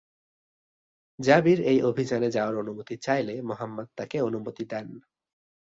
জাবির এই অভিযানে যাওয়ার অনুমতি চাইলে মুহাম্মাদ তাকে অনুমতি দেন।